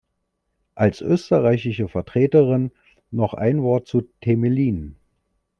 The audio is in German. Als österreichische Vertreterin noch ein Wort zu Temelin.